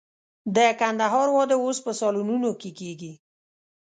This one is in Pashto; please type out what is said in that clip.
د کندهار واده اوس په سالونونو کې کېږي.